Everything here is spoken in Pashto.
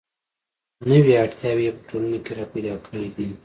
نوې اړتیاوې یې په ټولنه کې را پیدا کړې دي.